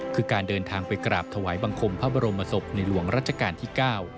คือการเดินทางไปกราบถวายบังคมพระบรมศพในหลวงรัชกาลที่๙